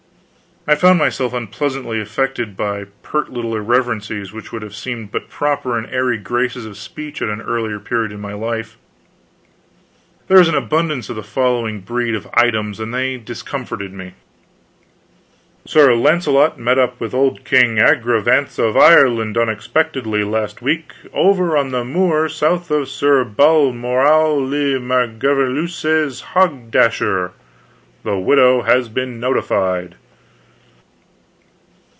I found myself unpleasantly affected by pert little irreverencies which would have seemed but proper and airy graces of speech at an earlier period of my life. There was an abundance of the following breed of items, and they discomforted me: LOCAL SMOKE AND CINDERS. Sir Launcelot met up with old King Agrivance of Ireland unexpectedly last weok over on the moor south of Sir Balmoral le Merveilleuse's hog dasture. The widow has been notified.